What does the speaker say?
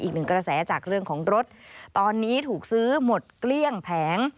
อีกหนึ่งกระแสจากเรื่องของรถตอนนี้ถูกซื้อหมดเกลี้ยงแผง